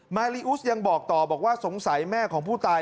มาลีอุสยังบอกต่อบอกว่าสงสัยแม่ของผู้ตาย